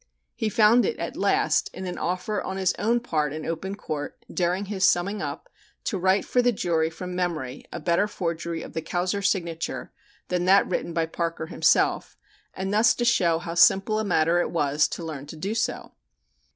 He found it at last in an offer on his own part in open court during his "summing up" to write for the jury from memory a better forgery of the Kauser signature than that written by Parker himself, and thus to show how simple a matter it was to learn to do so.